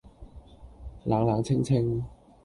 冷冷清清，